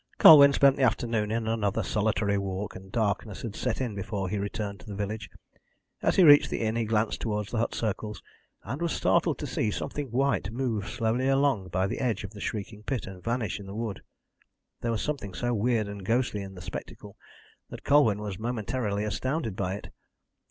Colwyn spent the afternoon in another solitary walk, and darkness had set in before he returned to the village. As he reached the inn he glanced towards the hut circles, and was startled to see something white move slowly along by the edge of the Shrieking Pit and vanish in the wood. There was something so weird and ghostly in the spectacle that Colwyn was momentarily astounded by it.